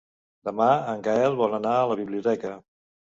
Demà en Gaël vol anar a la biblioteca.